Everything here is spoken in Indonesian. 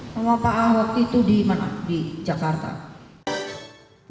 sama pak ahok itu di jakarta